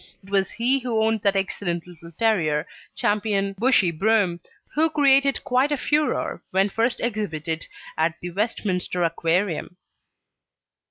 It was he who owned that excellent little terrier Ch. Bushey Broom, who created quite a furore when first exhibited at the Westminster Aquarium.